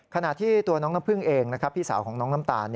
ขณะที่ตัวน้องน้ำพึ่งเองนะครับพี่สาวของน้องน้ำตาล